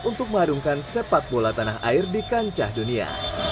untuk mengharumkan sepak bola tanah air di kancah dunia